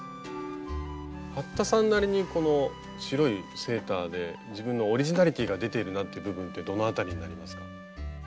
服田さんなりにこの白いセーターで自分のオリジナリティーが出ているなって部分ってどの辺りになりますか？